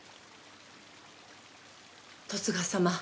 十津川様